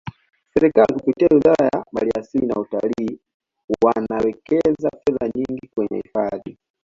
serikali kupitia wizara ya mali asili na utalii wanawekeza fedha nyingi kwenye hifadhi